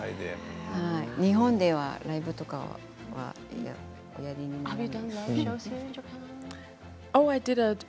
日本ではライブとかはおやりになるんですか？